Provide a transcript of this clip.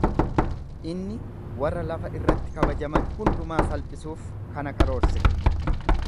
Inni warra lafa irratti kabajaman hundumaa salphisuuf kana karoorse.